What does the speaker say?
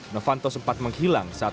novanto sempat menghilang saat